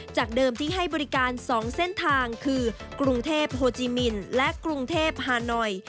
จากเดิมที่ให้บริการ๒เส้นทางคือกรุงเทพโฮจิมินและกรุงเทพฮานอย